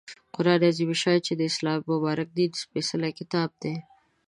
قرآن عظیم الشان چې د اسلام د مبارک دین سپیڅلی کتاب دی